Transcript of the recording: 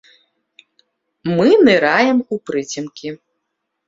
Мы ныраем у прыцемкі.